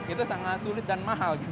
itu sangat sulit dan mahal